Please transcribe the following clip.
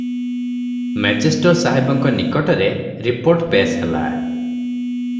ମେଜେଷ୍ଟର ସାହେବଙ୍କ ନିକଟରେ ରିପୋର୍ଟ ପେଶ ହେଲା ।